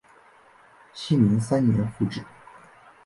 熙宁三年复置。